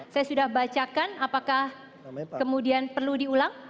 saya sudah bacakan apakah kemudian perlu diulang